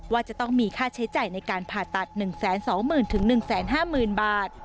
ว่าจะต้องมีค่าใช้จ่ายในการผ่าตัด๑๒๐๐๐๑๕๐๐๐บาท